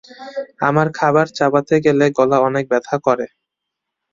আমার খাবার চাবাতে গেলে গলা অনেক ব্যথা করে।